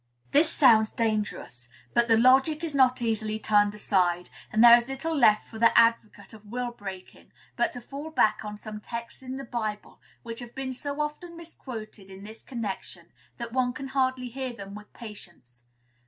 This sounds dangerous; but the logic is not easily turned aside, and there is little left for the advocate of will breaking but to fall back on some texts in the Bible, which have been so often misquoted in this connection that one can hardly hear them with patience.